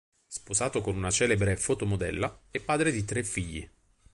Sposato con una celebre fotomodella, è padre di tre figli.